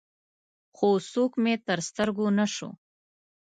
خو څوک مې تر سترګو نه شو.